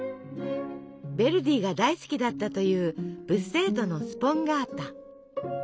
ヴェルディが大好きだったというブッセートのスポンガータ。